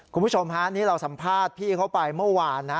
คุณผู้ชมฮะนี่เราสัมภาษณ์พี่เขาไปเมื่อวานนะ